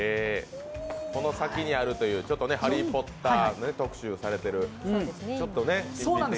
この先にあるという、「ハリー・ポッター」特集されている中で。